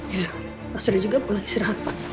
ya pak surya juga pulang istirahat pak